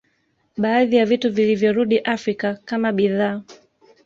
Baadhi ya vitu vilivyorudi Afrika kama bidhaa